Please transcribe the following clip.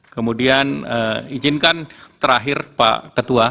kemudian izinkan terakhir pak ketua